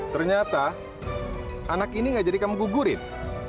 ternyata anak ini gak jadi kamu gugurin